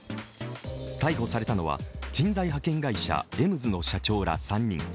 逮捕されたのは、人材派遣会社エムズの社長ら、３人。